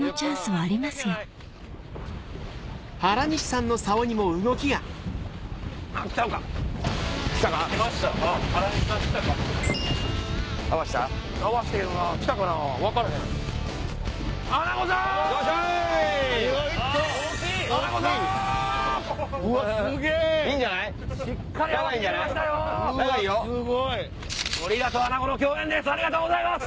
ありがとうございます！